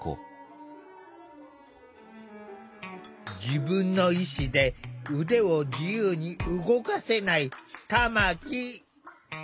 自分の意思で腕を自由に動かせない玉木。